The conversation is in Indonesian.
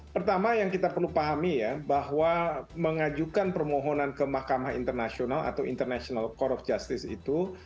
pertama yang kita perlu pahami ya bahwa mengajukan permohonan ke mahkamah internasional atau international cour of justice itu